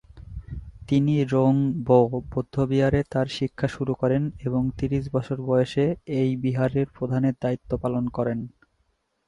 তিনি রোং-বো বৌদ্ধবিহারে তার শিক্ষা শুরু করেন এবং ত্রিশ বছর বয়সে এই বিহারের প্রধানের দায়িত্ব লাভ করেন।